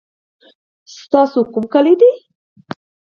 ستا کوم کلی دی.